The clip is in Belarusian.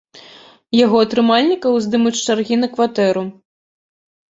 Яго атрымальнікаў здымуць з чаргі на кватэру.